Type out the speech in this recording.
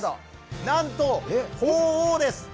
なんと鳳凰です。